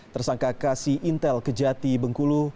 tersangka kasih intel kejati bengkulu